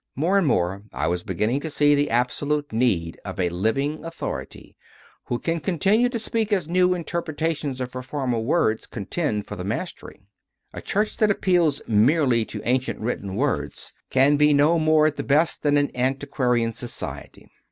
More and more I was beginning to see the absolute need of a living authority who can continue to speak as new interpre tations of her former words contend for the mastery. A church that appeals merely to ancient written words can be no more at the best than an antiqua rian society.